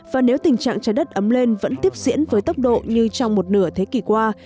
và nếu tình trạng trái đất ấm lên vẫn tiếp diễn với tốc độ như trong một nửa thế kỷ qua